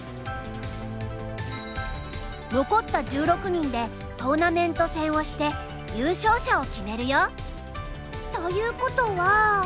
残った１６人でトーナメント戦をして優勝者を決めるよ。ということは。